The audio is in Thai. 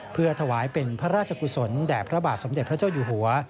เพื่อถวายเป็นพระราชกุศลแด่พระบาทสมเด็จพระเจ้าอยู่หัว